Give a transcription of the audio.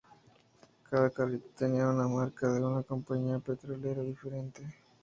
Cada carrito tenía una marca de una compañía petrolera diferente.